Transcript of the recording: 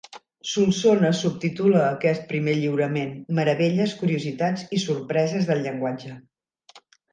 Solsona subtitula aquest primer lliurament: “Meravelles, curiositats i sorpreses del llenguatge”.